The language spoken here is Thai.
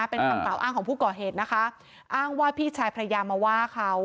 เป็นคำกล่าวอ้างของผู้ก่อเหตุนะคะอ้างว่าพี่ชายภรรยามาว่าเขา